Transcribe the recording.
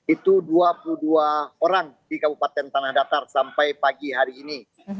itu dua puluh dua orang di kabupaten tanah datar sampai pagi hari ini